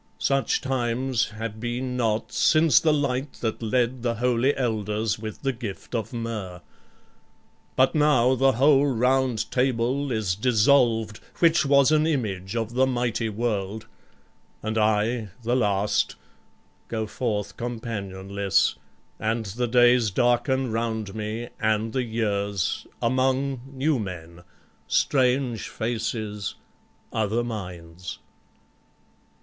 Such times have been not since the light that led The holy Elders with the gift of myrrh. But now the whole Round Table is dissolved Which was an image of the mighty world And I, the last, go forth companionless, And the days darken round me, and the years, Among new men, strange faces, other minds."